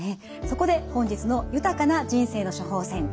そこで本日の「豊かな人生の処方せん」